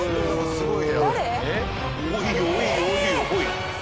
すごい。